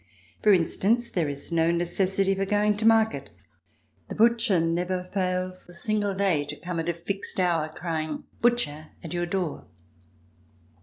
For instance, there is no necessity for going to market. The butcher never fails a single day to come at a fixed hour crying, "Butcher," at your door.